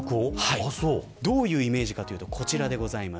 どういうイメージかというとこちらでございます。